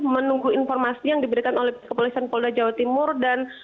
menunggu informasi yang diberikan dan juga untuk mencari penyelesaian